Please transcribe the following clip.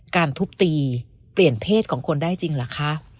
การทุบตีเปลี่ยนเพศของคนได้จริงเหรอคะ